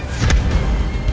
dia iyi itu menurutku